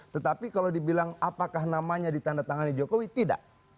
tetapi kalau dibilang apakah namanya ditanda tangan jokowi tidak